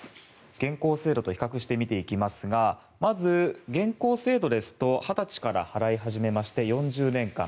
現行制度と比較して見ていきますがまず、現行制度ですと２０歳から払い始めまして４０年間。